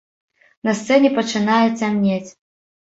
На сцэне пачынае цямнець.